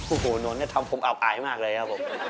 โอ้โหนนท์เนี่ยทำผมอับอายมากเลยครับผม